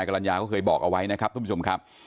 กรรณญาก็เคยบอกเอาไว้นะครับทุกผู้ชมครับ